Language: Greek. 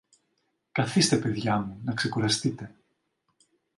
Καθήστε, παιδιά μου, να ξεκουραστείτε.